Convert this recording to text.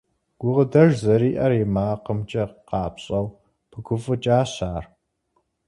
Гукъыдэж зэриӀэр и макъымкӀэ къапщӀэу пыгуфӀыкӀащ ар.